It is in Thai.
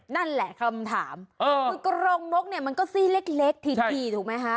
นั่นแหละคำถามคือกรงนกเนี่ยมันก็ซี่เล็กถี่ถูกไหมคะ